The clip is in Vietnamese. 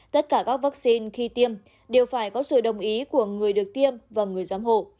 tất cả các vaccine khi tiêm đều phải có sự đồng ý của người được tiêm và người giám hộ